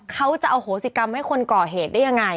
เขาจะอโหสิกรรมให้คนก่อเหตุได้ยังไง